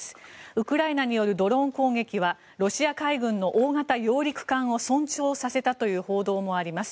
ウクライナによるドローン攻撃はロシア海軍の大型揚陸艦を損傷させたという報道もあります。